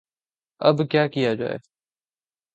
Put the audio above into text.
اب کیا کیا جائے؟